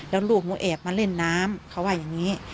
แล้วลูกหนูแอบมาเล่นน้ำเขาว่าอย่างนี้